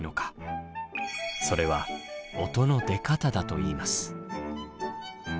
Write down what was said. それは音の出方だといいます。